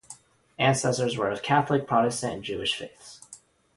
Ancestors were of Catholic, Protestant and Jewish faiths.